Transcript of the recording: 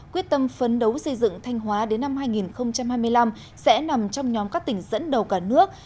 quyết tâm phấn đấu xây dựng thanh hóa đến năm hai nghìn hai mươi năm sẽ nằm trong nhóm các tỉnh dẫn đầu cả nước